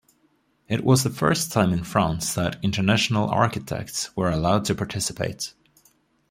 It was the first time in France that international architects were allowed to participate.